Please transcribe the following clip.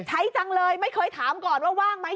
จังเลยไม่เคยถามก่อนว่าว่างไหม